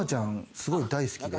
すごい大好きで。